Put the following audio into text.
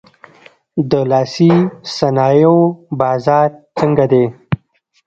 د لاسي صنایعو بازار څنګه دی؟